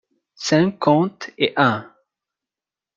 Cinquante et un.